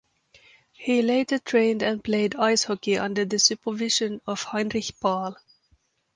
He later trained and played ice hockey under the supervision of Heinrich Paal.